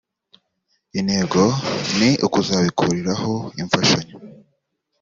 intego ni ukuzabikuriraho imfashanyo